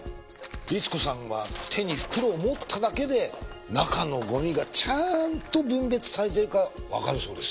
律子さんは手に袋を持っただけで中のゴミがちゃんと分別されているかわかるそうです。